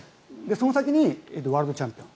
その先にワールドチャンピオン。